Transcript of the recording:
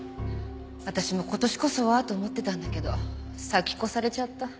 私も今年こそはと思ってたんだけど先越されちゃった。